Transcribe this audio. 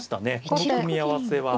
この組み合わせは。